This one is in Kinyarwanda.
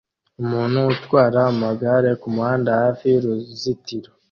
Umuntu utwara amagare kumuhanda hafi y'uruzitiro